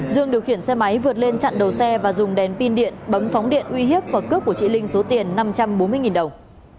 dương điều khiển xe máy vượt lên chặn đầu xe và dùng đèn pin điện bấm phóng điện uy hiếp và cướp của chị linh số tiền năm trăm bốn mươi đồng